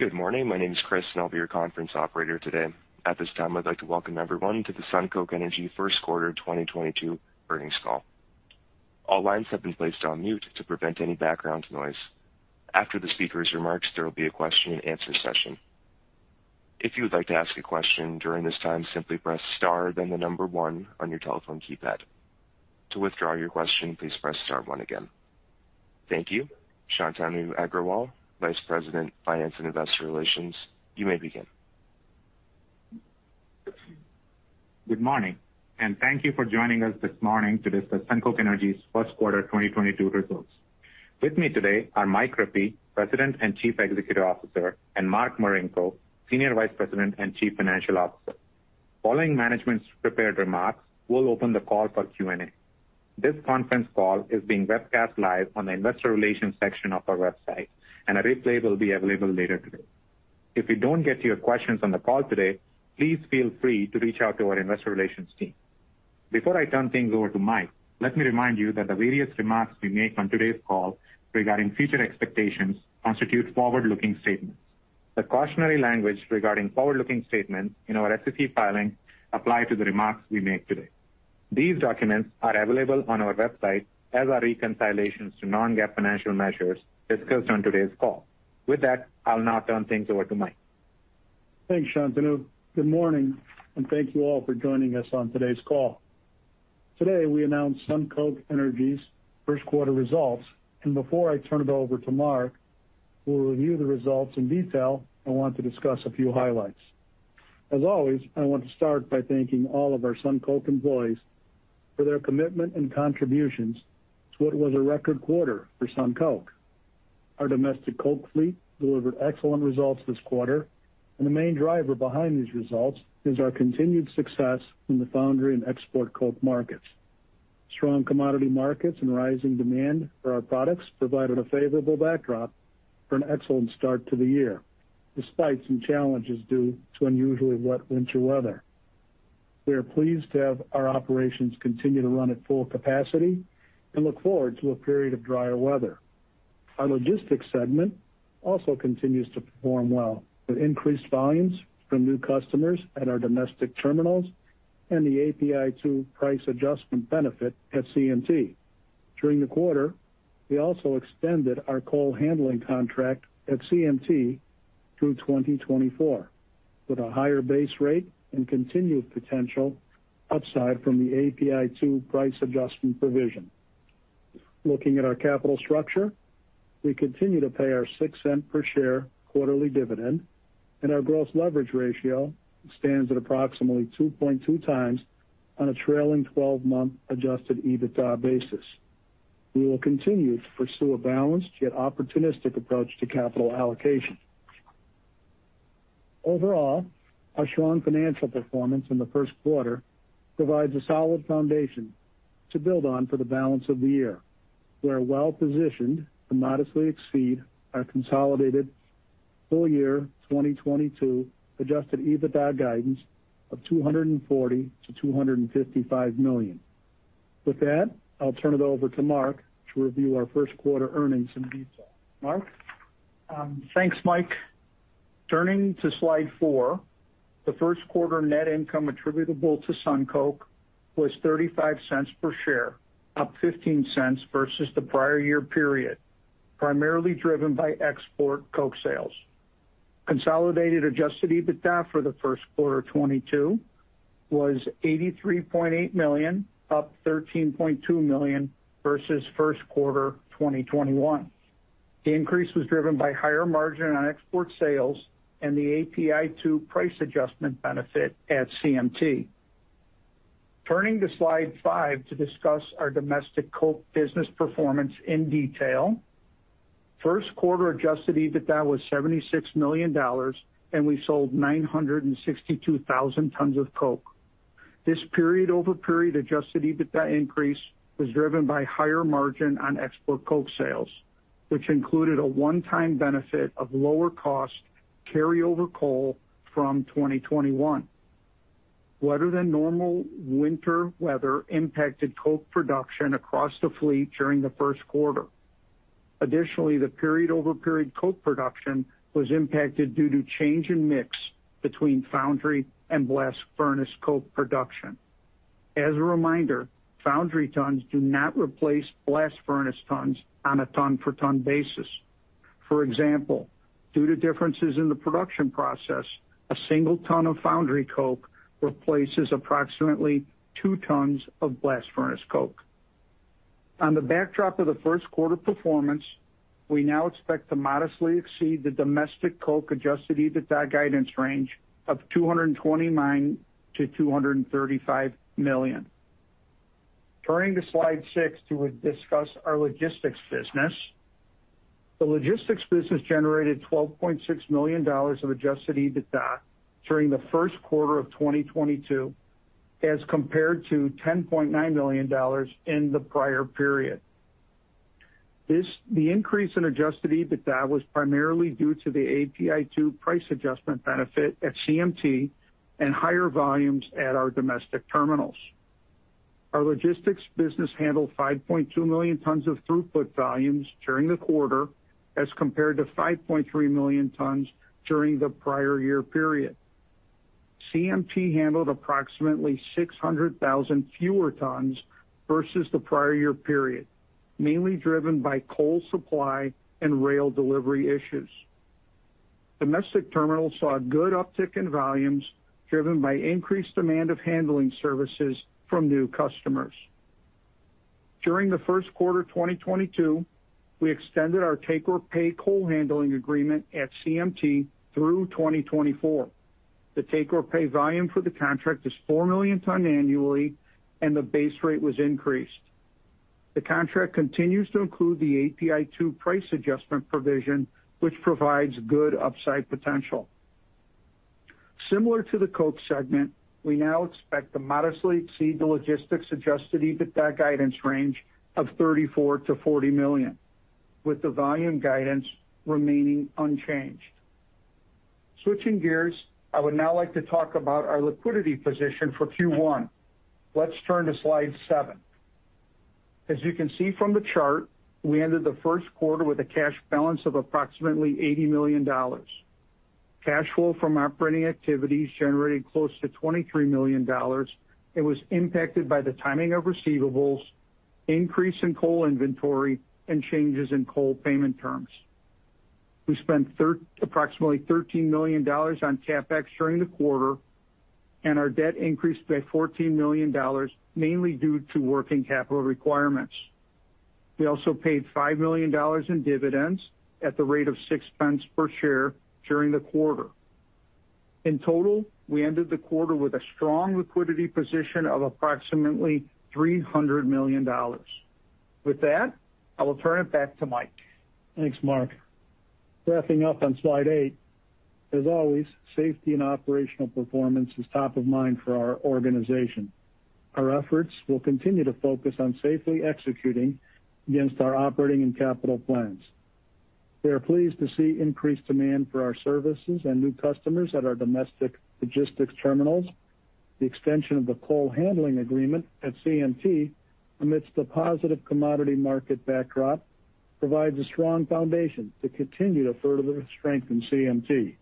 Good morning. My name is Chris, and I'll be your conference operator today. At this time, I'd like to welcome everyone to the SunCoke Energy first quarter 2022 earnings call. All lines have been placed on mute to prevent any background noise. After the speaker's remarks, there will be a question-and-answer session. If you would like to ask a question during this time, simply press star, then the number one on your telephone keypad. To withdraw your question, please press star one again. Thank you. Shantanu Agrawal, Vice President, Finance and Investor Relations. You may begin. Good morning, and thank you for joining us this morning to discuss SunCoke Energy's first quarter 2022 results. With me today are Mike Rippey, President and Chief Executive Officer, and Mark Marinko, Senior Vice President and Chief Financial Officer. Following management's prepared remarks, we'll open the call for Q&A. This conference call is being webcast live on the investor relations section of our website, and a replay will be available later today. If you don't get to your questions on the call today, please feel free to reach out to our investor relations team. Before I turn things over to Mike, let me remind you that the various remarks we make on today's call regarding future expectations constitute forward-looking statements. The cautionary language regarding forward-looking statements in our SEC filing apply to the remarks we make today. These documents are available on our website as are reconciliations to non-GAAP financial measures discussed on today's call. With that, I'll now turn things over to Mike. Thanks, Shantanu. Good morning, and thank you all for joining us on today's call. Today, we announce SunCoke Energy's first quarter results, and before I turn it over to Mark, who will review the results in detail, I want to discuss a few highlights. As always, I want to start by thanking all of our SunCoke employees for their commitment and contributions to what was a record quarter for SunCoke. Our domestic coke fleet delivered excellent results this quarter, and the main driver behind these results is our continued success in the foundry and export coke markets. Strong commodity markets and rising demand for our products provided a favorable backdrop for an excellent start to the year, despite some challenges due to unusually wet winter weather. We are pleased to have our operations continue to run at full capacity and look forward to a period of drier weather. Our logistics segment also continues to perform well with increased volumes from new customers at our domestic terminals and the API2 price adjustment benefit at CMT. During the quarter, we also extended our coal handling contract at CMT through 2024 with a higher base rate and continued potential upside from the API2 price adjustment provision. Looking at our capital structure, we continue to pay our $0.06 per share quarterly dividend, and our gross leverage ratio stands at approximately 2.2x on a trailing twelve-month Adjusted EBITDA basis. We will continue to pursue a balanced yet opportunistic approach to capital allocation. Overall, our strong financial performance in the first quarter provides a solid foundation to build on for the balance of the year. We are well-positioned to modestly exceed our consolidated full-year 2022 Adjusted EBITDA guidance of $240 million-$255 million. With that, I'll turn it over to Mark to review our first quarter earnings in detail. Mark? Thanks, Mike. Turning to slide four, the first quarter net income attributable to SunCoke was $0.35 per share, up $0.15 versus the prior year period, primarily driven by export coke sales. Consolidated Adjusted EBITDA for the first quarter of 2022 was $83.8 million, up $13.2 million versus first quarter 2021. The increase was driven by higher margin on export sales and the API2 price adjustment benefit at CMT. Turning to slide five to discuss our domestic coke business performance in detail. First quarter Adjusted EBITDA was $76 million, and we sold 962,000 tons of coke. This period-over-period Adjusted EBITDA increase was driven by higher margin on export coke sales, which included a one-time benefit of lower cost carryover coal from 2021. Wetter than normal winter weather impacted coke production across the fleet during the first quarter. Additionally, the period-over-period coke production was impacted due to change in mix between foundry and blast furnace coke production. As a reminder, foundry tons do not replace blast furnace tons on a ton-for-ton basis. For example, due to differences in the production process, a single ton of foundry coke replaces approximately two tons of blast furnace coke. On the backdrop of the first quarter performance, we now expect to modestly exceed the domestic coke Adjusted EBITDA guidance range of $229 million-$235 million. Turning to slide six to discuss our logistics business. The logistics business generated $12.6 million of Adjusted EBITDA during the first quarter of 2022, as compared to $10.9 million in the prior period. The increase in Adjusted EBITDA was primarily due to the API2 price adjustment benefit at CMT and higher volumes at our domestic terminals. Our logistics business handled 5.2 million tons of throughput volumes during the quarter as compared to 5.3 million tons during the prior year period. CMT handled approximately 600,000 fewer tons versus the prior year period, mainly driven by coal supply and rail delivery issues. Domestic terminals saw a good uptick in volumes driven by increased demand of handling services from new customers. During the first quarter 2022, we extended our take-or-pay coal handling agreement at CMT through 2024. The take-or-pay volume for the contract is four million tons annually and the base rate was increased. The contract continues to include the API2 price adjustment provision, which provides good upside potential. Similar to the coke segment, we now expect to modestly exceed the logistics Adjusted EBITDA guidance range of $34 million-$40 million, with the volume guidance remaining unchanged. Switching gears, I would now like to talk about our liquidity position for Q1. Let's turn to slide seven. As you can see from the chart, we ended the first quarter with a cash balance of approximately $80 million. Cash flow from operating activities generated close to $23 million and was impacted by the timing of receivables, increase in coal inventory, and changes in coal payment terms. We spent approximately $13 million on CapEx during the quarter, and our debt increased by $14 million, mainly due to working capital requirements. We also paid $5 million in dividends at the rate of $0.06 per share during the quarter. In total, we ended the quarter with a strong liquidity position of approximately $300 million. With that, I will turn it back to Mike. Thanks, Mark. Wrapping up on slide eight, as always, safety and operational performance is top of mind for our organization. Our efforts will continue to focus on safely executing against our operating and capital plans. We are pleased to see increased demand for our services and new customers at our domestic logistics terminals. The extension of the coal handling agreement at CMT amidst the positive commodity market backdrop provides a strong foundation to continue to further strengthen CMT.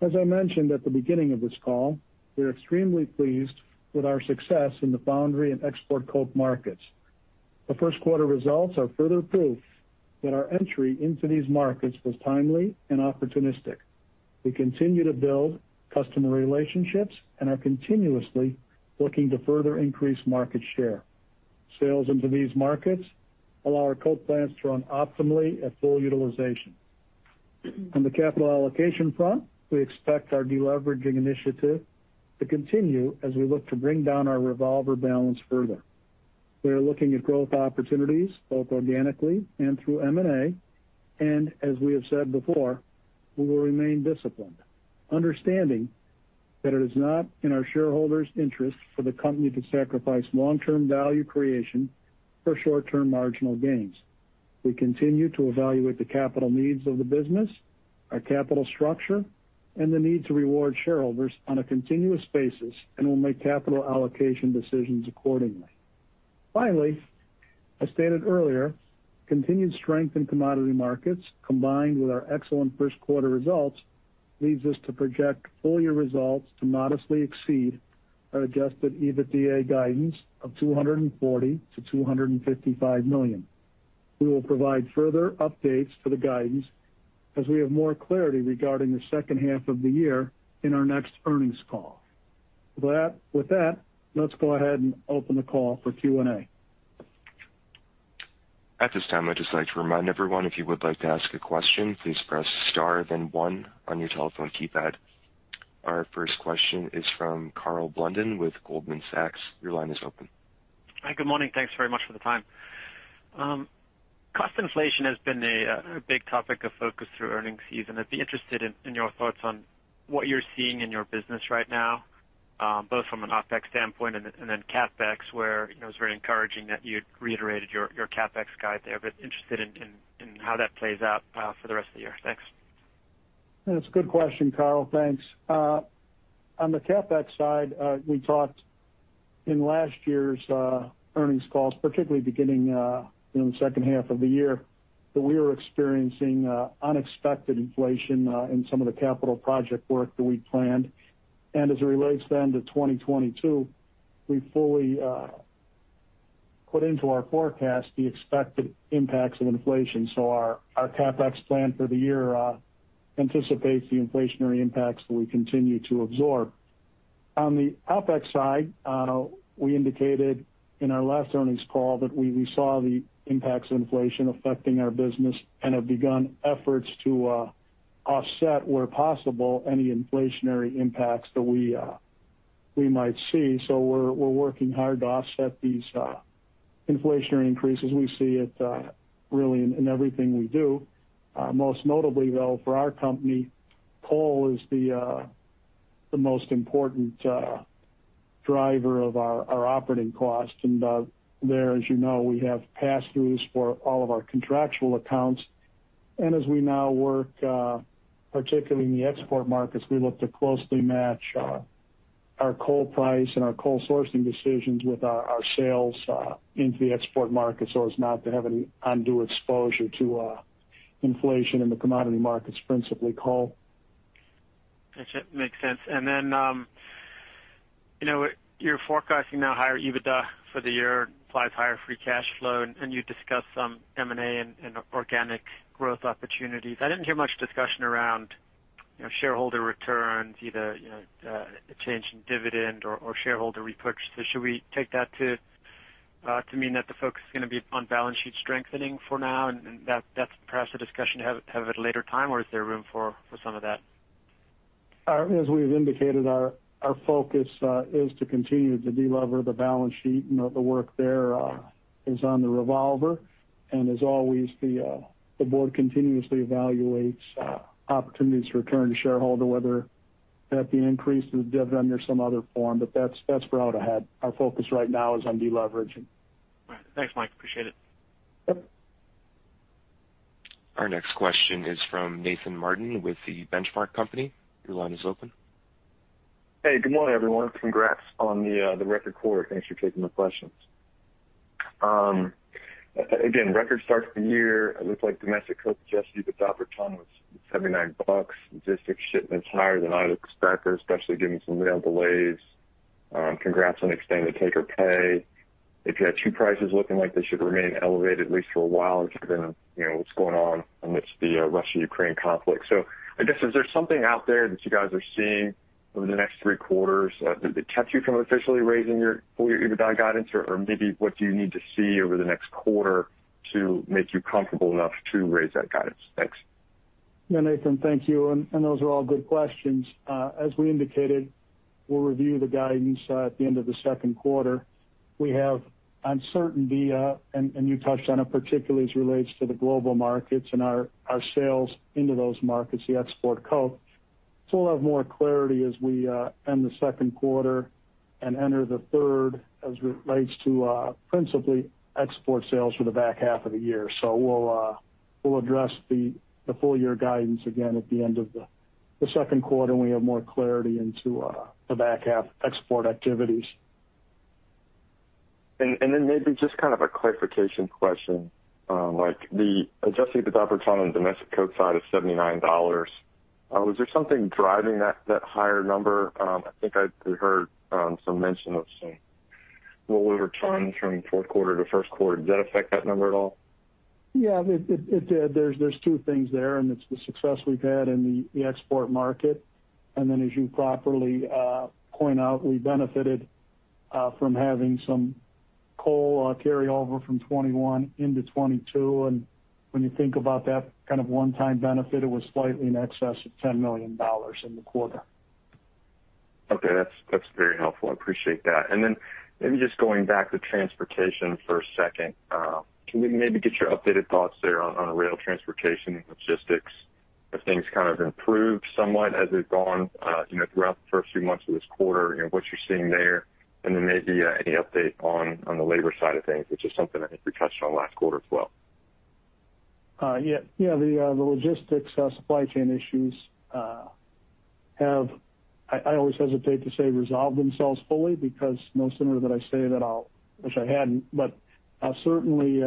As I mentioned at the beginning of this call, we are extremely pleased with our success in the foundry and export coke markets. The first quarter results are further proof that our entry into these markets was timely and opportunistic. We continue to build customer relationships and are continuously looking to further increase market share. Sales into these markets allow our coke plants to run optimally at full utilization. On the capital allocation front, we expect our deleveraging initiative to continue as we look to bring down our revolver balance further. We are looking at growth opportunities both organically and through M&A. As we have said before, we will remain disciplined, understanding that it is not in our shareholders' interest for the company to sacrifice long-term value creation for short-term marginal gains. We continue to evaluate the capital needs of the business, our capital structure, and the need to reward shareholders on a continuous basis and will make capital allocation decisions accordingly. Finally, as stated earlier, continued strength in commodity markets, combined with our excellent first quarter results, leads us to project full year results to modestly exceed our Adjusted EBITDA guidance of $240 million-$255 million. We will provide further updates to the guidance as we have more clarity regarding the second half of the year in our next earnings call. With that, let's go ahead and open the call for Q&A. At this time, I'd just like to remind everyone, if you would like to ask a question, please press star then one on your telephone keypad. Our first question is from Carly Davenport with Goldman Sachs. Your line is open. Hi. Good morning? Thanks very much for the time. Cost inflation has been a big topic of focus through earnings season. I'd be interested in your thoughts on what you're seeing in your business right now, both from an OpEx standpoint and then CapEx where, you know, it's very encouraging that you reiterated your CapEx guide there, but interested in how that plays out for the rest of the year. Thanks. That's a good question, Carly. Thanks. On the CapEx side, we talked in last year's earnings calls, particularly beginning, you know, in the second half of the year, that we were experiencing unexpected inflation in some of the capital project work that we planned. As it relates then to 2022, we fully put into our forecast the expected impacts of inflation. Our CapEx plan for the year anticipates the inflationary impacts that we continue to absorb. On the OpEx side, we indicated in our last earnings call that we saw the impacts of inflation affecting our business and have begun efforts to offset where possible any inflationary impacts that we might see. We're working hard to offset these inflationary increases. We see it really in everything we do. Most notably, though, for our company, coal is the most important driver of our operating costs. There, as you know, we have pass-throughs for all of our contractual accounts. As we now work particularly in the export markets, we look to closely match our coal price and our coal sourcing decisions with our sales into the export market so as not to have any undue exposure to inflation in the commodity markets, principally coal. Gotcha. Makes sense. You know, you're forecasting now higher EBITDA for the year, implies higher free cash flow, and you discussed some M&A and organic growth opportunities. I didn't hear much discussion around, you know, shareholder returns, either, you know, a change in dividend or shareholder repurchase. Should we take that to mean that the focus is gonna be on balance sheet strengthening for now, and that's perhaps a discussion to have at a later time, or is there room for some of that? As we've indicated, our focus is to continue to de-lever the balance sheet and the work there is on the revolver. As always, the board continuously evaluates opportunities to return to shareholder, whether that be increase to the dividend or some other form, but that's further out ahead. Our focus right now is on de-leveraging. All right. Thanks, Mike. Appreciate it. Yep. Our next question is from Nathan Martin with The Benchmark Company. Your line is open. Hey, good morning, everyone. Congrats on the record quarter. Thanks for taking the questions. Again, record start to the year. It looks like domestic coke Adjusted EBITDA per ton was $79. Logistics shipments higher than I'd expect, especially given some rail delays. Congrats on extending the take-or-pay. You've got two prices looking like they should remain elevated at least for a while given, you know, what's going on amidst the Russia-Ukraine conflict. I guess, is there something out there that you guys are seeing over the next three quarters? Did it catch you from officially raising your full year EBITDA guidance? Or maybe what do you need to see over the next quarter to make you comfortable enough to raise that guidance? Thanks. Yeah, Nathan, thank you, and those are all good questions. As we indicated, we'll review the guidance at the end of the second quarter. We have uncertainty, and you touched on it particularly as it relates to the global markets and our sales into those markets, the export coke. We'll have more clarity as we end the second quarter and enter the third as it relates to principally export sales for the back half of the year. We'll address the full year guidance again at the end of the second quarter when we have more clarity into the back half export activities. Maybe just kind of a clarification question. Like the Adjusted EBITDA per ton on the domestic coke side is $79. Was there something driving that higher number? I think I heard some mention of some lower ton from fourth quarter to first quarter. Does that affect that number at all? Yeah, it did. There's two things there, and it's the success we've had in the export market. As you properly point out, we benefited from having some coal carry over from 2021 into 2022. When you think about that kind of one-time benefit, it was slightly in excess of $10 million in the quarter. Okay. That's very helpful. I appreciate that. Then maybe just going back to transportation for a second. Can we maybe get your updated thoughts there on rail transportation and logistics, if things kind of improved somewhat as we've gone you know throughout the first few months of this quarter and what you're seeing there? Then maybe any update on the labor side of things, which is something I think we touched on last quarter as well. Yeah. Yeah, the logistics supply chain issues have, I always hesitate to say, resolved themselves fully because no sooner than I say that I'll wish I hadn't. Certainly,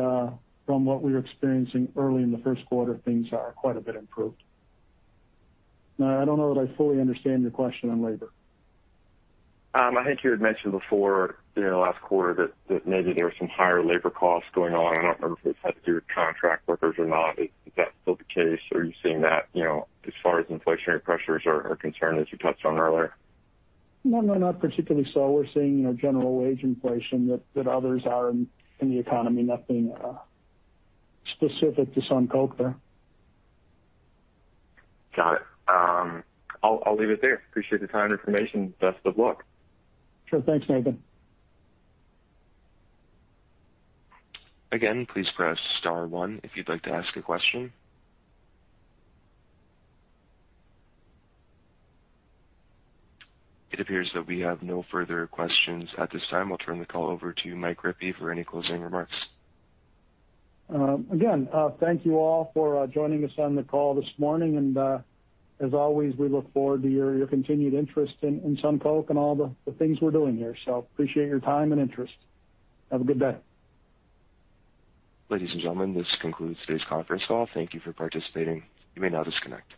from what we were experiencing early in the first quarter, things are quite a bit improved. Now, I don't know that I fully understand your question on labor. I think you had mentioned before during the last quarter that that maybe there were some higher labor costs going on. I don't remember if it had to do with contract workers or not. Is that still the case? Are you seeing that, you know, as far as inflationary pressures are concerned as you touched on earlier? No, we're not particularly so. We're seeing, you know, general wage inflation that others are in the economy, nothing specific to SunCoke there. Got it. I'll leave it there. Appreciate your time and information. Best of luck. Sure. Thanks, Nathan. Again, please press star one if you'd like to ask a question. It appears that we have no further questions at this time. I'll turn the call over to Mike Rippey for any closing remarks. Again, thank you all for joining us on the call this morning. As always, we look forward to your continued interest in SunCoke and all the things we're doing here. Appreciate your time and interest. Have a good day. Ladies and gentlemen, this concludes today's conference call. Thank you for participating. You may now disconnect.